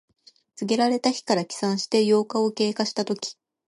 告げられた日から起算して八日を経過したとき。